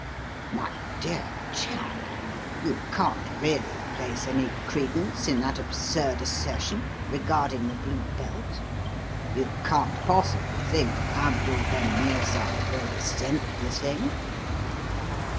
"My dear chap, you can't really place any credence in that absurd assertion regarding the blue belt? You can't possibly think that Abdul ben Meerza really sent the thing?"